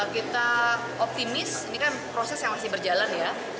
kita optimis ini kan proses yang masih berjalan ya